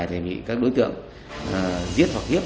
thì bị các đối tượng giết hoặc hiếp